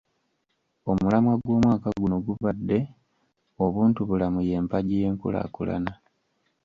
Omulamwa gw’omwaka guno gubadde, “Obuntubulamu y’empagi y’enkulaakulana”.